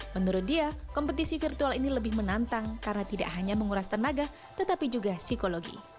menurut dia kompetisi virtual ini lebih menantang karena tidak hanya menguras tenaga tetapi juga psikologi